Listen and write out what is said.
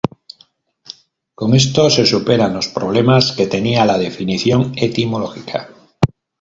Con esto se superan los problemas que tenía la definición etimológica